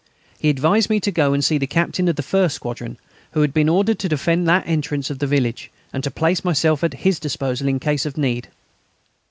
He advised me to go and see the captain of the first squadron, who had been ordered to defend that entrance of the village, and to place myself at his disposal in case of need.